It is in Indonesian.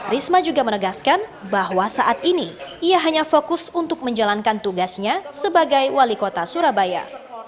risma juga menegaskan bahwa saat ini ia hanya fokus untuk menjalankan tugasnya sebagai wali kota surabaya